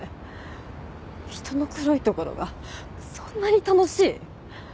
人の黒いところがそんなに楽しい！？